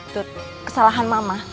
tut kesalahan mama